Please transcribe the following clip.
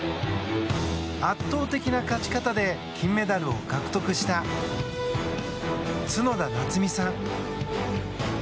圧倒的な勝ち方で金メダルを獲得した角田夏実さん。